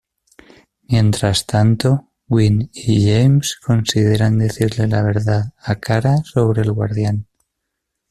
Mientras tanto, Winn y James consideran decirle la verdad a Kara sobre el Guardián.